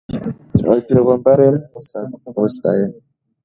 پیغمبر علم وستایه.